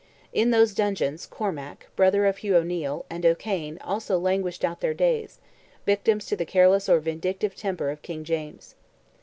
In those dungeons, Cormac, brother of Hugh O'Neil, and O'Cane also languished out their days, victims to the careless or vindictive temper of King James.